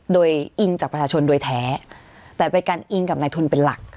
โดยอิงจากประชาชนโดยแท้แต่เป็นการอิงกับนายทุนเป็นหลัก